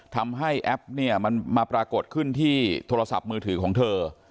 แอปเนี่ยมันมาปรากฏขึ้นที่โทรศัพท์มือถือของเธอ